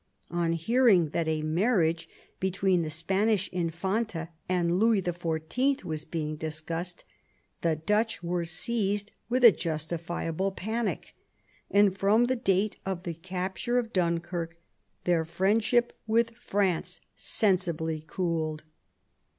On hearing that a marriage between the Spanish Infanta and Louis XIY. was being discussed, the Dutch were seized with a justifiable panic, and from the date of the capture of Dunkirk their friendship with France sensibly cooled.